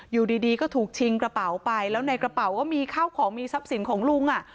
อยู่ดีก็ถูกชิงกระเป๋าไปแล้วในกระเป๋าก็มีข้าวของมีทรัพย์สินของลุงอ่ะ